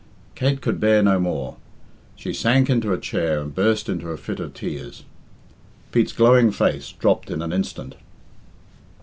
Kate could bear no more. She sank into a chair and burst into a fit of tears. Pete's glowing face dropped in an instant.